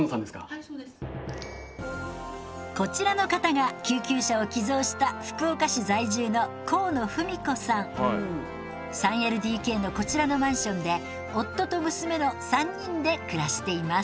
はいそうです。こちらの方が救急車を寄贈した福岡市在住の３ＬＤＫのこちらのマンションで夫と娘の３人で暮らしています。